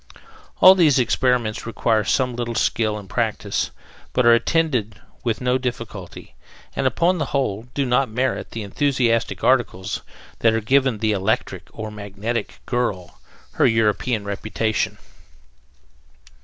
All these experiments require some little skill and practice, but are attended with no difficulty, and, upon the whole, do not merit the enthusiastic articles that have given the "electric" or "magnetic" girl her European reputation.